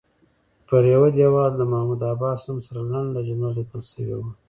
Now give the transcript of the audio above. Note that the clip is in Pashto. پر یوه دیوال د محمود عباس نوم سره لنډه جمله لیکل شوې وه.